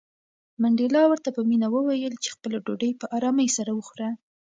منډېلا ورته په مینه وویل چې خپله ډوډۍ په آرامۍ سره وخوره.